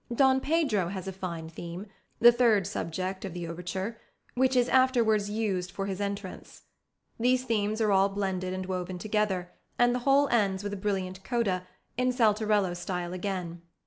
Don Pedro has a fine theme (the third subject of the overture), which is afterwards used for his entrance. These themes are all blended and woven together, and the whole ends with a brilliant coda, in saltarello style again.